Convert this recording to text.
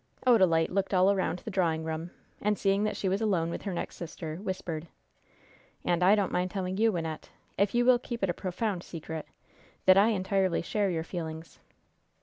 Odalite looked all around the drawing room, and, seeing that she was alone with her next sister, whispered: "And I don't mind telling you, Wynnette, if you will keep it a profound secret, that I entirely share your feelings."